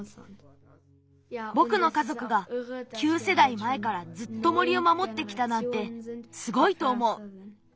ぼくのかぞくが９せだいまえからずっと森を守ってきたなんてすごいとおもう。